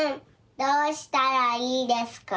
どうしたらいいですか？